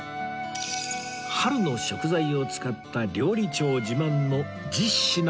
春の食材を使った料理長自慢の１０品が並びます